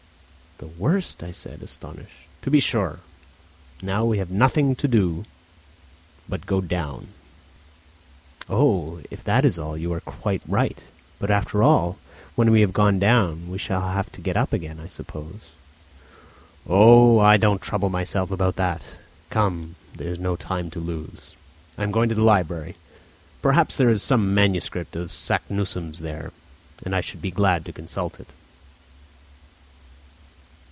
"The worst!" I said, astonished. "To be sure, now we have nothing to do but go down." "Oh, if that is all, you are quite right; but after all, when we have gone down, we shall have to get up again, I suppose?" "Oh I don't trouble myself about that. Come, there's no time to lose; I am going to the library. Perhaps there is some manuscript of Saknussemm's there, and I should be glad to consult it."